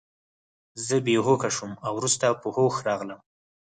زه بې هوښه شوم او وروسته په هوښ راغلم